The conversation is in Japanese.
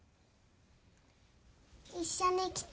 一緒に来て。